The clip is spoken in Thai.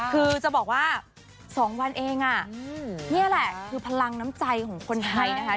คือจะบอกว่า๒วันเองนี่แหละคือพลังน้ำใจของคนไทยนะคะ